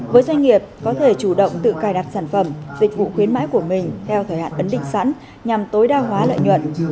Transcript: với doanh nghiệp có thể chủ động tự cài đặt sản phẩm dịch vụ khuyến mãi của mình theo thời hạn ấn định sẵn nhằm tối đa hóa lợi nhuận